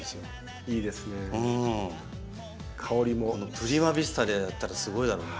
プリマヴィスタでやったらすごいだろうな。